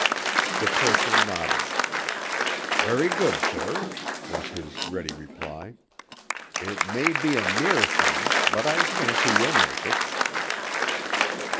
The purser nodded. "Very good, sir," was his ready reply. "It may be a near thing, but I fancy you'll make it."